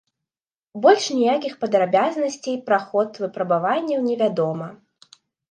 Больш ніякіх падрабязнасцей пра ход выпрабаванняў невядома.